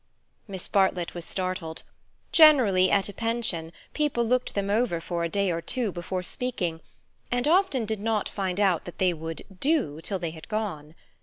Miss Bartlett was startled. Generally at a pension people looked them over for a day or two before speaking, and often did not find out that they would "do" till they had gone.